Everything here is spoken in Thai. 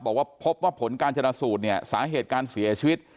บอกว่าพบว่าผลการชนะสูตรเนี่ยสาเหตุการเสียชีวิต